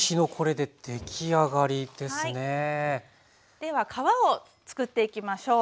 では皮をつくっていきましょう。